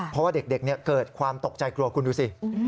เพราะว่าเด็กเกิดความตกใจกลัวคุณดูสิ